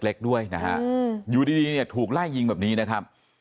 เล็กด้วยนะฮะอยู่ดีเนี่ยถูกไล่ยิงแบบนี้นะครับ